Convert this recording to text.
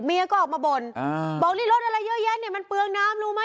ก็ออกมาบ่นบอกนี่รถอะไรเยอะแยะเนี่ยมันเปลืองน้ำรู้ไหม